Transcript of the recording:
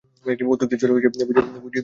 অত্যুক্তির জোরেই বুঝি বাজারে চালাতে হবে?